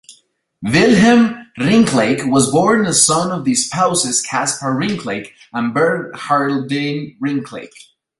Wilhelm Rincklake was born as son of the spouses Caspar Rincklake and Bernhardine Rincklake.